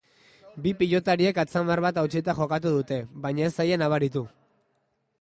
Bi pilotariek atzamar bat hautsita jokatu dute, baina ez zaie nabaritu.